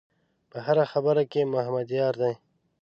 په هره خبره کې محمد یار دی.